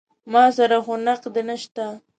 ما سره خو نقدې نه شته.